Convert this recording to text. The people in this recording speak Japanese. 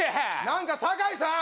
何か酒井さん